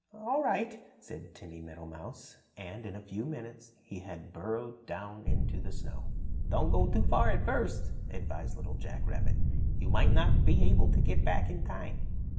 "All right," said Timmy Meadowmouse, and in a few minutes he had burrowed down into the snow. "Don't go too far at first," advised Little Jack Rabbit. "You might not be able to get back in time."